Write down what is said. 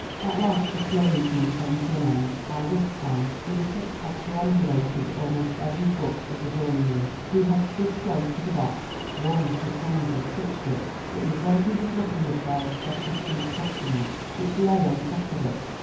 At last the slow evening came to an end. By this time Rupert had perambulated almost every foot of the drawing room. He had stood close to the box—once his hand had touched it. It was when he was looking at Belle's precious Greek Testament which lay on top of it.